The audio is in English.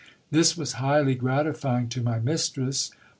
This was highly gratifying to my nistress.